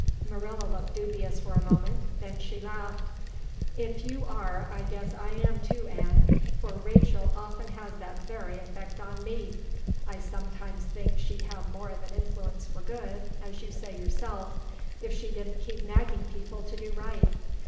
Marilla looked dubious for a moment. Then she laughed. "If you are I guess I am too, Anne, for Rachel often has that very effect on me. I sometimes think she'd have more of an influence for good, as you say yourself, if she didn't keep nagging people to do right.